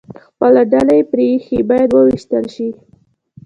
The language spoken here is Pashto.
خپله ډله یې پرې ایښې، باید ووېشتل شي.